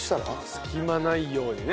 隙間ないようにね。